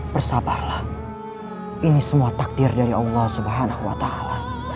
bersabarlah ini semua takdir dari allah subhanahu wa ta'ala